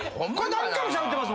何回もしゃべってます